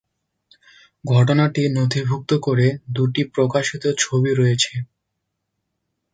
ঘটনাটি নথিভুক্ত করে দুটি প্রকাশিত ছবি রয়েছে।